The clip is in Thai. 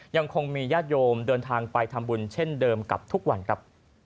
ยังคงมีญาติโยมเดินทางไปทำบุญเช่นเดิมกับทุกวันครับ